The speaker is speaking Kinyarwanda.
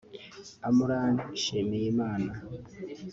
Amran Nshmiyimana